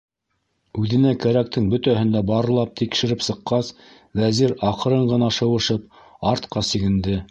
Үҙенә кәрәктең бөтәһен дә барлап, тикшереп сыҡҡас, Вәзир, аҡрын ғына шыуышып, артҡа сигенде.